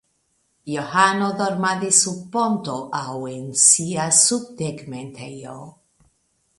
Johano dormadis sub ponto aŭ en sia subtegmentejo.